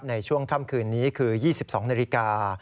ในช่วงค่ำคืนนี้คือ๒๒นาฬิกา